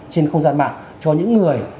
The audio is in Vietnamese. trên không gian mạng cho những người